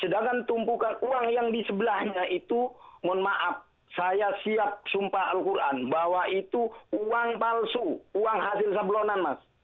sedangkan tumpukan uang yang di sebelahnya itu mohon maaf saya siap sumpah al quran bahwa itu uang palsu uang hasil sablonan mas